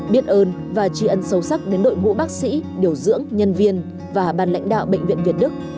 biết ơn và tri ân sâu sắc đến đội ngũ bác sĩ điều dưỡng nhân viên và ban lãnh đạo bệnh viện việt đức